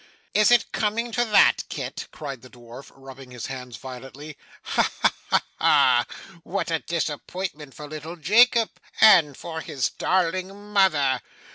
'Is it coming to that, Kit!' cried the dwarf, rubbing his hands violently. 'Ha ha ha ha! What a disappointment for little Jacob, and for his darling mother!